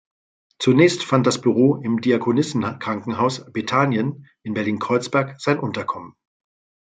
Zunächst fand das Büro im Diakonissenkrankenhaus Bethanien in Berlin-Kreuzberg sein Unterkommen.